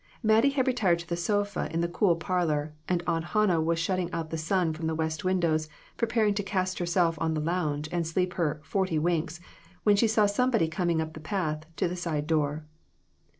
Mattie had retired to the sofa in the cool parlor, and Aunt Hannah was shutting out the sun from the west windows, preparing to cast herself on the lounge and sleep her " forty winks," when she saw somebody coming up the path to the side door.